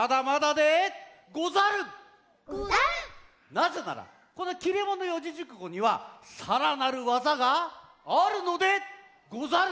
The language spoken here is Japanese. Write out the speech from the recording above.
なぜならこの「切れ者四字熟語」にはさらなるわざがあるのでござる！